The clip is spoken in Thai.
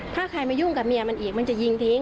ถ้าใครมายุ่งกับเมียมันอีกมันจะยิงทิ้ง